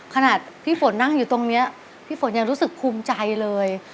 ขนาดพี่ฝนนั่งอยู่ตรงนี้พี่ฝนยังรู้สึกภูมิใจเลย